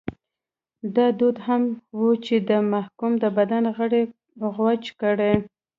دا دود هم و چې د محکوم د بدن غړي غوڅ کړي.